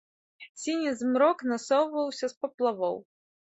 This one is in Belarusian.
Сіні змрок насоўваўся з паплавоў.